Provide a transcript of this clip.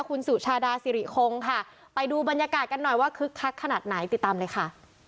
คุณสุชาดาสิริคงค่ะไปดูบรรยากาศกันหน่อยว่าคึกคักขนาดไหนติดตามเลยค่ะ